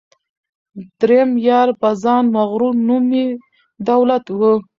دریم یار په ځان مغرور نوم یې دولت وو